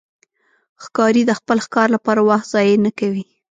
ښکاري د خپل ښکار لپاره وخت ضایع نه کوي.